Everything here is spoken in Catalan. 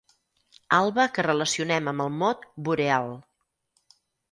Alba que relacionem amb el mot boreal.